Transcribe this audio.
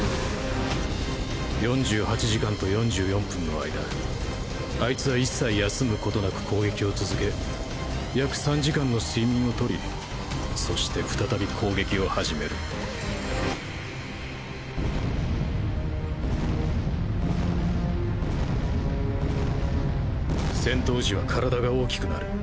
４８時間と４４分の間あいつは一切休むことなく攻撃を続け約３時間の睡眠を取りそして再び攻撃を始める戦闘時は体が大きくなる。